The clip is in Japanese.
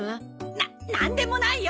ななんでもないよ！